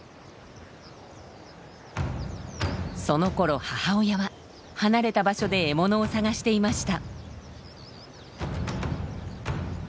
そのころ母親は離れた場所で獲物を探していました。